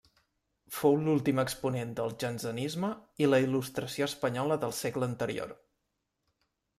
Fou l'últim exponent del jansenisme i la il·lustració espanyola del segle anterior.